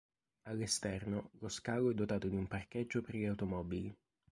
All'esterno lo scalo è dotato di un parcheggio per le automobili.